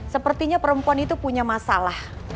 sepertinya perempuan itu punya masalah